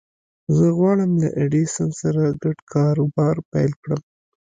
زه غواړم له ايډېسن سره ګډ کاروبار پيل کړم.